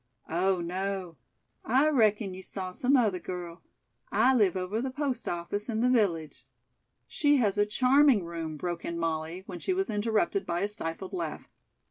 "Oh, no, I reckon you saw some other girl. I live over the post office in the village." "She has a charming room," broke in Molly, when she was interrupted by a stifled laugh.